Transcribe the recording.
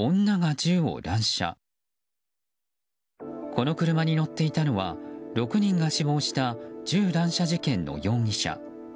この車に乗っていたのは６人が死亡した銃乱射事件の容疑者。